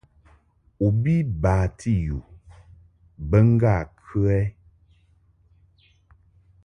U bi mbati yu bə ŋgâ kə ɛ?